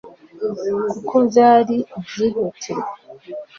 kuko byari ibyihutirwa